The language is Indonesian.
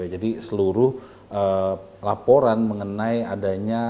jadi seluruh laporan mengenai adanya